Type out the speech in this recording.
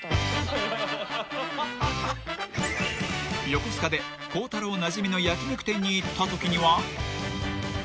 ［横須賀で孝太郎なじみの焼き肉店に行ったときには］